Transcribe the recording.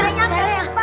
ambil cokelat bulet